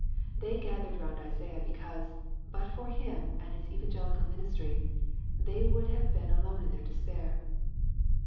They gathered round Isaiah because, but for him and his evangelical ministry, they would have been alone in their despair.